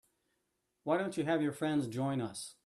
Why don't you have your friends join us?